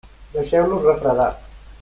Deixeu-los refredar.